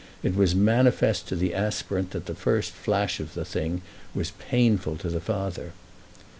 It was manifest to the aspirant that the first flash of the thing was painful to the father.